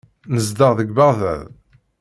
Nezdeɣ deg Beɣdad.